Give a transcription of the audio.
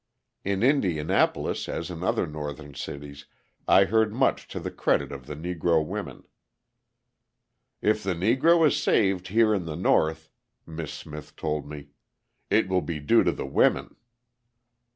In Indianapolis, as in other Northern cities, I heard much to the credit of the Negro women. "If the Negro is saved here in the North," Miss Smith told me, "it will be due to the women."